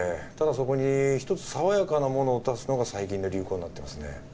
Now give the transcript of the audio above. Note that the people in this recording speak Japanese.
ただそこにひとつ爽やかなものを足すのが最近の流行になってますね。